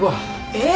えっ？